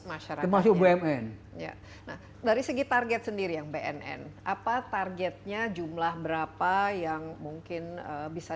masyarakat bumn ya nah dari segi target sendiri yang bnn apa targetnya jumlah berapa yang mungkin bisa